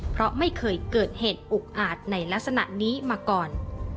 เพราะไม่เคยเกิดเหตุอุกอาจในลักษณะนี้มาก่อน